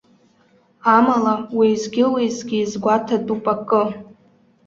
Амала, уеизгьы-уеизгьы иазгәаҭатәуп акы.